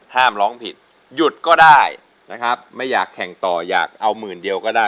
ร้องผิดหยุดก็ได้นะครับไม่อยากแข่งต่ออยากเอาหมื่นเดียวก็ได้